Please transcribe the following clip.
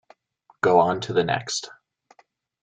Go on to the next.